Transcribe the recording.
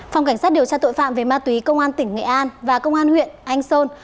phòng cảnh sát điều tra tội phạm về ma túy công an tỉnh nghệ an và công an huyện anh sơn